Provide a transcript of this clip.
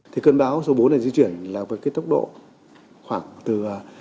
thì cơn bão số bốn này di chuyển là với cái tốc độ khoảng từ